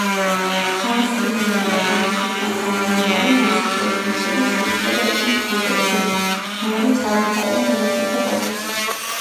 გამოცდილებიდან და განათლებიდან გამომდინარე, ამ სფეროში მუშები შეიძლება იყვნენ გუნდებში, რომლებიც ავითარებენ მონაცემთა ბაზებს.